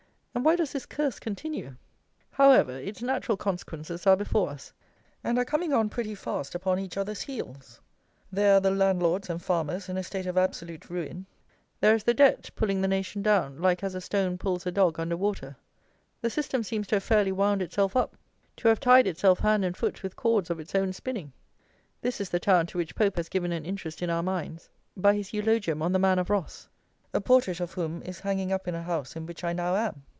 And why does this curse continue? However, its natural consequences are before us; and are coming on pretty fast upon each other's heels. There are the landlords and farmers in a state of absolute ruin: there is the Debt, pulling the nation down like as a stone pulls a dog under water. The system seems to have fairly wound itself up; to have tied itself hand and foot with cords of its own spinning! This is the town to which POPE has given an interest in our minds by his eulogium on the "Man of Ross," a portrait of whom is hanging up in a house in which I now am.